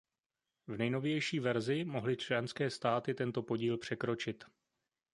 V nejnovější verzi mohly členské státy tento podíl překročit.